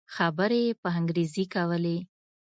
خبرې يې په انګريزي کولې.